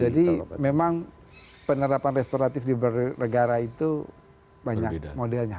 jadi memang penerapan restoratif di negara itu banyak modelnya